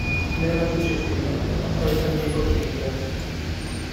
Nella successiva passò ai San Diego Chargers.